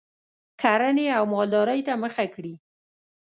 کرنې او مالدارۍ ته مخه کړي